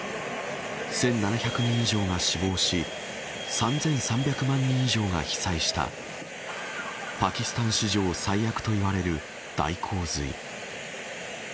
１７００人以上が死亡し３３００万人以上が被災したパキスタン史上最悪といわれる大洪水。